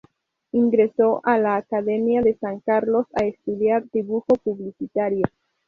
Ingresó a la Academia de San Carlos a estudiar dibujo publicitario.